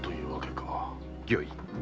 御意。